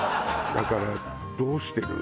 だからどうしてる？